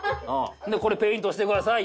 で「これペイントしください」